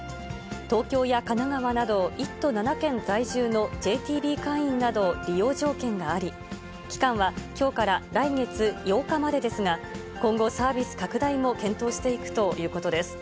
東京や神奈川など１都７県在住のＪＴＢ会員など、利用条件があり、期間はきょうから来月８日までですが、今後、サービス拡大も検討していくということです。